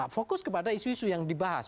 fokus kepada isu isu yang dibahas